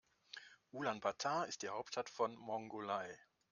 Ulaanbaatar ist die Hauptstadt von Mongolei.